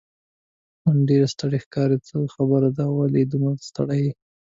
نن ډېر ستړی ښکارې، څه خبره ده، ولې دومره ستړی یې؟